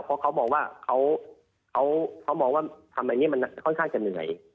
เพราะเขาบอกว่าทำแบบนี้มันค่อนข้างจะเหนื่อย